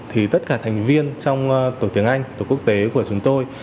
thì tất cả thành viên trong tổ tiếng anh tổ quốc tế của chúng tôi